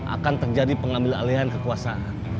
akan terjadi pengambil alihan kekuasaan